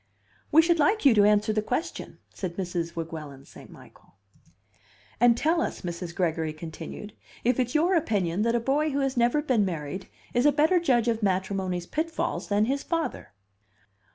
"We should like you to answer the question," said Mrs. Weguelin St. Michael. "And tell us," Mrs. Gregory continued, "if it's your opinion that a boy who has never been married is a better judge of matrimony's pitfalls than his father."